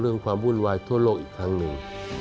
ความวุ่นวายทั่วโลกอีกครั้งหนึ่ง